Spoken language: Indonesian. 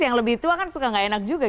yang lebih tua kan suka gak enak juga